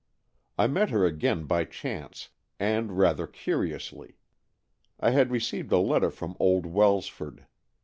I met her again by chance, and rather curiously. I had received a letter from old Welsford.